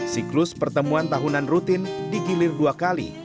siklus pertemuan tahunan rutin digilir dua kali